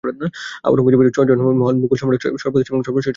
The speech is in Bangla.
আওরঙ্গজেব ছয়জন মহান মুঘল সম্রাটের মধ্যে সর্বশেষ এবং সর্বশ্রেষ্ঠ সম্রাট ছিলেন।